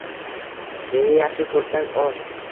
Meni yaxshi ko'rsang, ol.